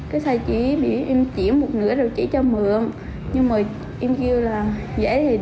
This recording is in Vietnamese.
cái sai chí em chỉ một nửa rồi chỉ cho mượn nhưng mà em kêu là em không đủ tiền cái sai chí em chỉ một nửa rồi chỉ cho mượn nhưng mà em kêu là